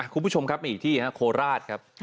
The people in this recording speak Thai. คุณผู้ชมครับมีอีกที่โคราชครับ